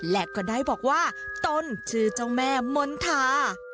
และก็ได้บอกว่าตนชื่อเจ้าแม่มณฑา